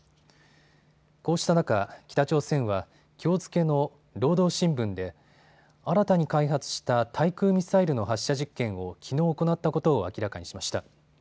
こうした中、北朝鮮はきょう付けの労働新聞で新たに開発した対空ミサイルの発射実験をきのう行ったことを明らかにしました。